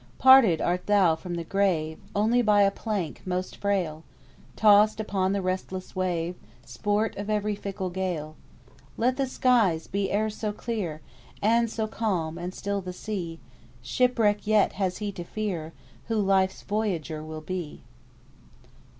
Parted art thou from the grave Only by a plank most frail; Tossed upon the restless wave, Sport of every fickle gale. Let the skies be e'er so clear, And so calm and still the sea, Shipwreck yet has he to fear, Who life's voyager will be."